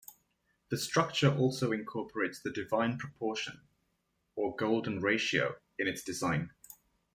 The structure also incorporates the Divine Proportion, or Golden Ratio, in its design.